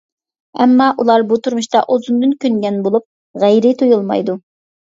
ئەمما ئۇلار بۇ تۇرمۇشقا ئۇزۇندىن كۆنگەن بولۇپ غەيرىي تۇيۇلمايدۇ.